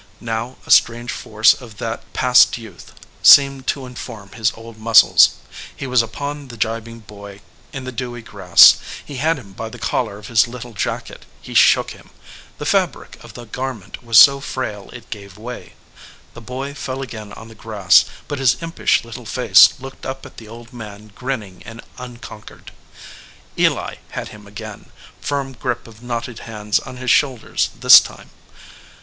Now a strange force of that passed youth seemed to in form his old muscles. He was upon the gibing boy in the dewy grass; he had him by the collar of his little jacket; he shook him. The fabric of the garment was so frail it gave way. The boy fell again on the grass, but his impish little face looked up at the old man grinning and unconquered. Eli 107 EDGEWATER PEOPLE had him again, firm grip of knotted hands on his shoulders this time.